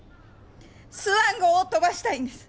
スワン号を飛ばしたいんです！